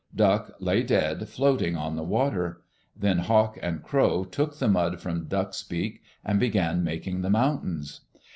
Duck lay dead floating on the water. Then Hawk and Crow took the mud from Duck's beak, and began making the mountains.